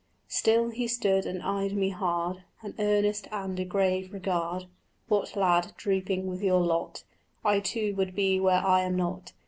Still he stood and eyed me hard, An earnest and a grave regard: "What, lad, drooping with your lot? I too would be where I am not.